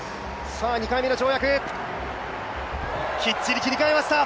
２回目の跳躍、きっちり切り替えました！